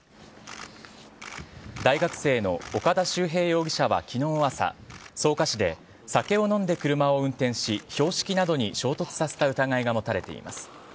大学生の岡田秀平容疑者は昨日朝草加市で酒を飲んで車を運転し標識などに衝突させた疑いが持たれています。